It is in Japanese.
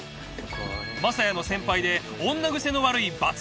雅也の先輩で女癖の悪いバツ